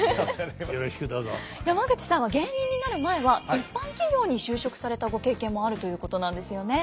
山口さんは芸人になる前は一般企業に就職されたご経験もあるということなんですよね。